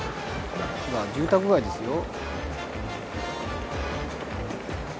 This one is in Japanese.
住宅街ですよ。